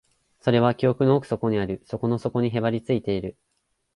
それは記憶の奥底にある、底の底にへばりついている